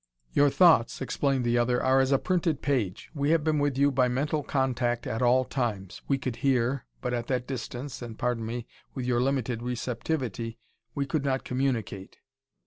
"Your thoughts," explained the other, "are as a printed page. We have been with you by mental contact at all times. We could hear, but, at that distance, and pardon me! with your limited receptivity, we could not communicate.